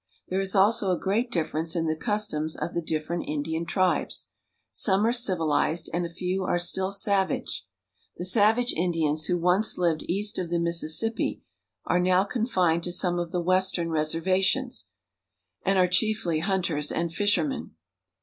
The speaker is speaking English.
There is also a great difference in the customs of the different Indian tribes. Some are civilized, and a few are still savage. The savage Indians who once lived ^^■""■■■^^^ east of the Mississippi are now confined to some of the Western reserva tions, and are chiefly hunters and fishermen.